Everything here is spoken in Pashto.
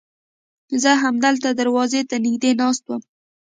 زه همدلته دروازې ته نږدې ناست وم.